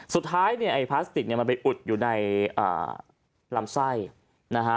สุดท้ายเนี่ยไอ้พลาสติกเนี่ยมันไปอุดอยู่ในลำไส้นะฮะ